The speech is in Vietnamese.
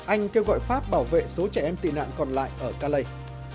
anh kêu gọi pháp bảo vệ số trẻ em tị nạn còn lại ở calei